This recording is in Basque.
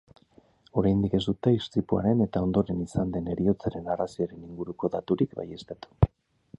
Oraindik ez dute istripuaren eta ondoren izan den heriotzaren arrazoiaren inguruko daturik baieztatu.